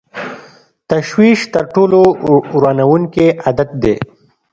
تشویش تر ټولو ورانوونکی عادت دی.